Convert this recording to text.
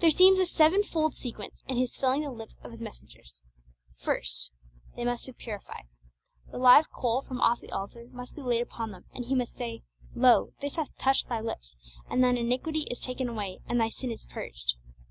There seems a seven fold sequence in His filling the lips of His messengers. First, they must be purified. The live coal from off the altar must be laid upon them, and He must say, 'Lo, this hath touched thy lips, and thine iniquity is taken away, and thy sin is purged.'